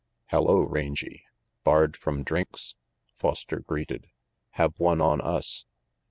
"Hello, Rangy. Barred from drinks?" Foster greeted. "Have one on us."